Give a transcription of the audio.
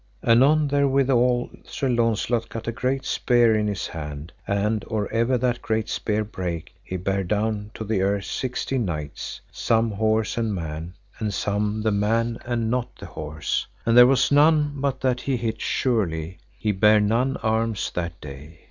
Anon therewithal Sir Launcelot gat a great spear in his hand, and or ever that great spear brake, he bare down to the earth sixteen knights, some horse and man, and some the man and not the horse, and there was none but that he hit surely, he bare none arms that day.